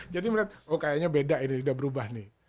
jadi menurut saya oh kayaknya beda ini udah berubah nih